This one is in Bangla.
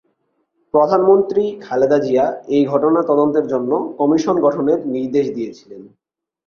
প্রধানমন্ত্রী খালেদা জিয়া এই ঘটনা তদন্তের জন্য কমিশন গঠনের নির্দেশ দিয়েছিলেন।